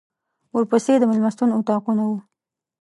ورپسې د مېلمستون اطاقونه وو.